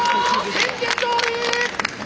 宣言どおり！